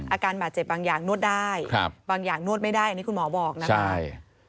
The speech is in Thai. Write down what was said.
อาการบาดเจ็บบางอย่างนวดได้บางอย่างนวดไม่ได้อันนี้คุณหมอบอกนะคะใช่